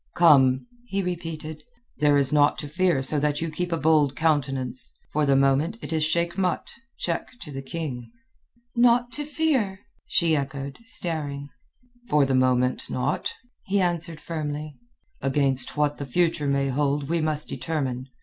"Come," he repeated, "there is naught to fear so that you keep a bold countenance. For the moment it is Sheik Mat—check to the king." "Naught to fear?" she echoed, staring. "For the moment, naught," he answered firmly. "Against what the future may hold, we must determine.